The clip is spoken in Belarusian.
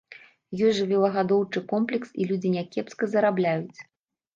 Ёсць жывёлагадоўчы комплекс, і людзі някепска зарабляюць.